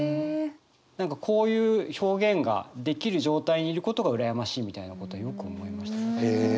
何かこういう表現ができる状態にいることが羨ましいみたいなことはよく思いましたね。